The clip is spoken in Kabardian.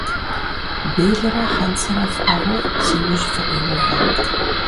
Белырэ хьэнцэрэ фӀыгъыу си ужь фыкъиувэ.